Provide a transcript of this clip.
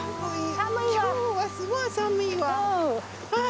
今日はすごい寒いわ。